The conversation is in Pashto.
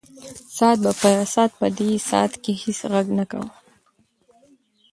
ساعت په دې ساعت کې هیڅ غږ نه کاوه.